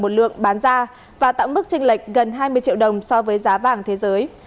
một lượng bán ra và tặng mức tranh lệch gần hai mươi triệu đồng so với giá vàng thế giới